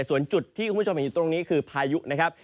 ส่วนจุดที่คุณผู้ชมเห็นอยู่ตรงนี้คือพายุนะครับ